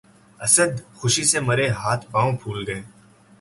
اسد! خوشی سے مرے ہاتھ پاؤں پُھول گئے